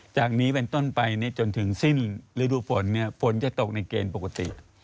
จากนี้เป็นต้นไปจนถึงสิ้นฤดูฝนฝนจะตกในเกณฑ์ปกติ